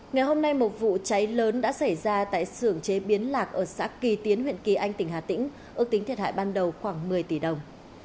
ngày hôm nay một vụ cháy lớn đã xảy ra tại sưởng chế biến lạc ở xã kỳ tiến huyện kỳ anh tỉnh hà tĩnh ước tính thiệt hại ban đầu khoảng một mươi tỷ đồng